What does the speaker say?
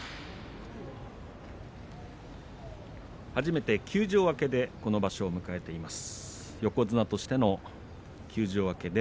初めて休場明けでこの場所を迎えています。